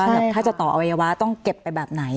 แบบถ้าจะต่ออวัยวะต้องเก็บไปแบบไหน